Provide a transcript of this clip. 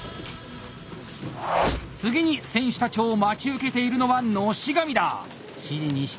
次に選手たちを待ち受けているのは熨斗紙だ！